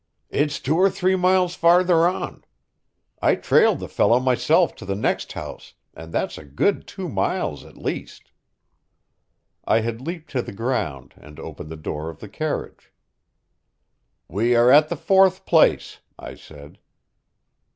"It's two or three miles farther on. I trailed the fellow myself to the next house, and that's a good two miles at least." I had leaped to the ground, and opened the door of the carriage. "We are at the fourth place," I said.